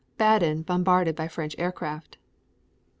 Baden bombarded by French aircraft.